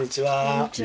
こんにちは。